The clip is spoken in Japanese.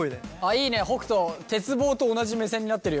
いいね北斗鉄棒と同じ目線になってるよ。